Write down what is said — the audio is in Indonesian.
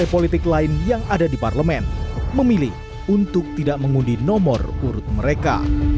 partai politik lain yang ada di parlemen memilih untuk tidak mengundi nomor urut mereka